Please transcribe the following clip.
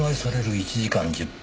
１時間１０分